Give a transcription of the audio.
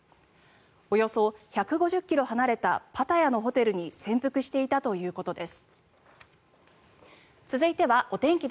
およそ１５０ｋｍ離れたパタヤのホテルに潜伏していたということです。